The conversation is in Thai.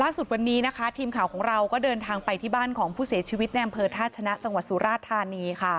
สุดวันนี้นะคะทีมข่าวของเราก็เดินทางไปที่บ้านของผู้เสียชีวิตในอำเภอท่าชนะจังหวัดสุราชธานีค่ะ